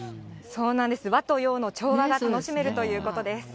そうなんです、和と洋の調和が楽しめるということです。